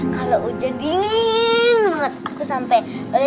kalau hujan dingin aku sampai